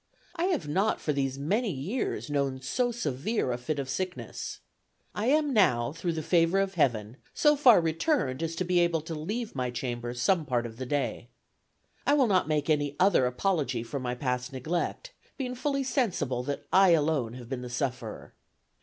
I have not for these many years known so severe a fit of sickness. I am now, through the favor of Heaven, so far returned as to be able to leave my chamber some part of the day. I will not make any other apology for my past neglect, being fully sensible that I alone have been the sufferer.